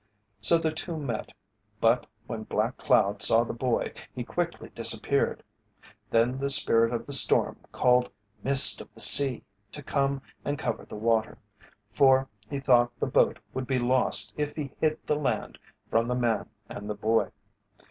So the two met, but when Black Cloud saw the boy he quickly disappeared. Then the Spirit of the Storm called Mist of the Sea to come and cover the water, for he thought the boat would be lost if he hid the land from the man and the boy.